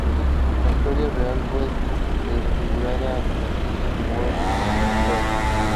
La historia real fue desfigurada a conveniencia de Webster.